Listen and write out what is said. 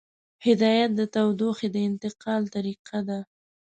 هدایت د تودوخې د انتقال طریقه ده.